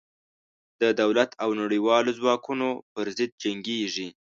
د دولت او نړېوالو ځواکونو پر ضد جنګېږي.